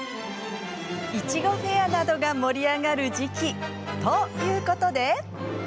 いちごフェアなどが盛り上がる時期。ということで。